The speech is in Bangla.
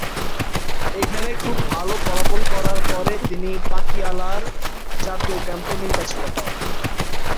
এখানে খুব ভালো ফলাফল করার পরে, তিনি পাতিয়ালা-র জাতীয় ক্যাম্পে নির্বাচিত হন।